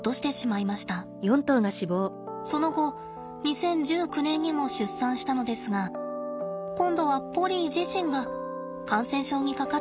その後２０１９年にも出産したのですが今度はポリー自身が感染症にかかってしまいました。